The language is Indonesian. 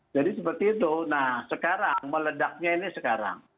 jadi seperti itu nah sekarang meledaknya ini sekarang